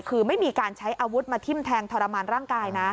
คือไม่มีการใช้อาวุธมาทิ้มแทงทรมานร่างกายนะ